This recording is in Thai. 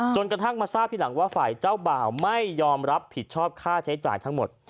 กระทั่งมาทราบทีหลังว่าฝ่ายเจ้าบ่าวไม่ยอมรับผิดชอบค่าใช้จ่ายทั้งหมด